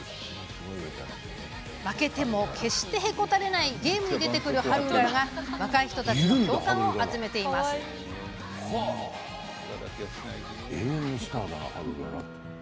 負けても、決してへこたれないゲームに出てくるハルウララが若い人たちの共感を集めているんです。